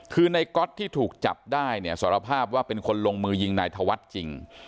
คือในก๊อตที่ถูกจับได้เนี่ยสารภาพว่าเป็นคนลงมือยิงนายธวัฒน์จริง